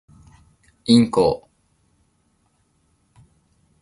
インコ